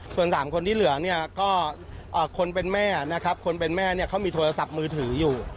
ส่วน๓คนที่เหลือเนี่ยก็คนเป็นแม่นะครับคนเป็นแม่เนี่ยเขามีโทรศัพท์มือถืออยู่